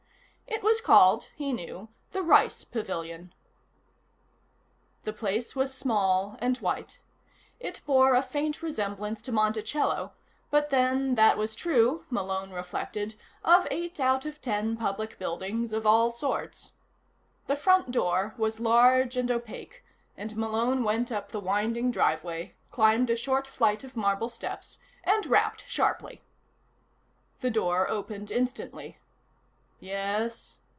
It was called, he knew, the Rice Pavilion. The place was small, and white. It bore a faint resemblance to Monticello, but then that was true, Malone reflected, of eight out of ten public buildings of all sorts. The front door was large and opaque, and Malone went up the winding driveway, climbed a short flight of marble steps, and rapped sharply. The door opened instantly. "Yes?"